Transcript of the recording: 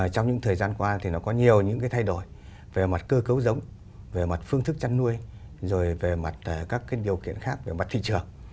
trong những thời gian qua thì nó có nhiều những thay đổi về mặt cơ cấu giống về mặt phương thức chăn nuôi rồi về mặt các điều kiện khác về mặt thị trường